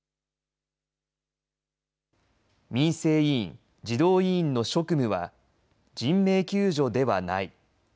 民生委員・児童委員の職務は人命救助ではない。